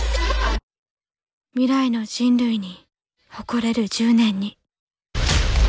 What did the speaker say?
未来の人類に誇れる１０年に。